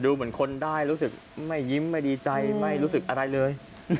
เหมือนคนได้รู้สึกไม่ยิ้มไม่ดีใจไม่รู้สึกอะไรเลย